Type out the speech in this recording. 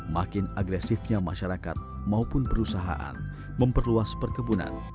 makin agresifnya masyarakat maupun perusahaan memperluas perkebunan